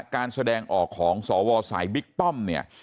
การแสดงออกของสวสายบิ๊กป้อมเนี่ย